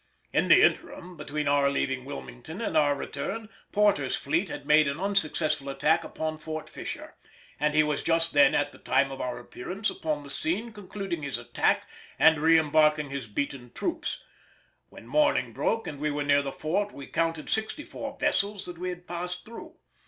In the interim between our leaving Wilmington and our return, Porter's fleet had made an unsuccessful attack upon Fort Fisher, and he was just then at the time of our appearance upon the scene concluding his attack and re embarking his beaten troops. When morning broke and we were near the fort we counted sixty four vessels that we had passed through.